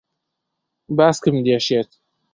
باسکم دێشێت.